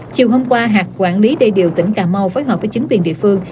chiều hôm qua hạt quản lý đê điều tỉnh cà mau phối hợp với chính quyền địa phương